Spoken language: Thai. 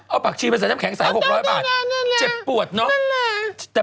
เอาผักชีไปใส่น้ำแข็ง๓๖๐๐บาทเจ็บปวดเนอะ